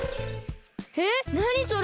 えっなにそれ？